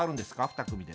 ２組で。